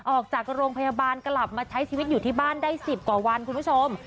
ออกจากโรงพยาบาลกลับมาใช้ชีวิตอยู่ที่บ้านได้๑๐กว่าวันคุณผู้ชม